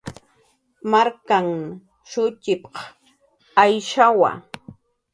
"Marknhan shutxp""q Ayshawa."